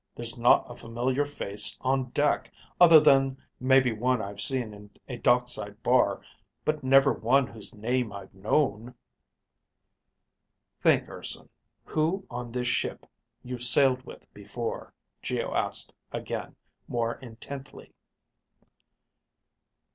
"There's not a familiar face on deck, other than maybe one I've seen in a dockside bar, but never one whose name I've known." "Think, Urson, who on this ship you've sailed with before," Geo asked again, more intently.